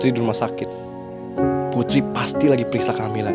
samanya sakit hati sama waar ada miskin